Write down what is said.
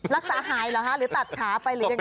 รักษาหายเหรอคะหรือตัดขาไปหรือยังไง